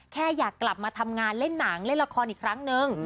แค่อยากกลับมาทำงานเล่นหนังเล่นละครอีกครั้งนึง